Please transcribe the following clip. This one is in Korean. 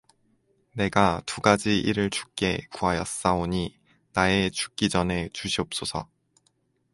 내가 두 가지 일을 주께 구하였사오니 나의 죽기 전에 주시옵소서